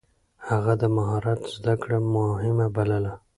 هغه د مهارت زده کړه مهمه بلله.